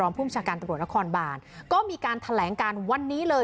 ภูมิชาการตำรวจนครบานก็มีการแถลงการวันนี้เลย